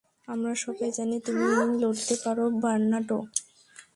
আমরা সবাই জানি, তুমি লড়তে পারো, বার্নার্ডো।